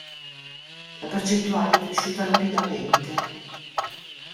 La percentuale è cresciuta rapidamente.